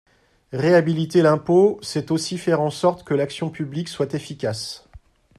Réhabiliter l’impôt, c’est aussi faire en sorte que l’action publique soit efficace.